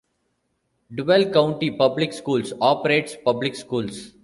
Duval County Public Schools operates public schools.